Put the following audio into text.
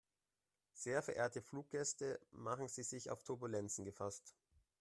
Sehr verehrte Fluggäste, machen Sie sich auf Turbulenzen gefasst.